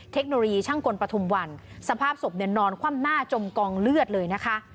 เทคโนโลยีช่างกลปฐุมวันสภาพศพเนี่ยนอนคว่ำหน้าจมกองเลือดเลยนะคะ